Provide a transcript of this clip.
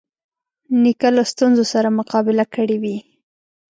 نیکه له ستونزو سره مقابله کړې وي.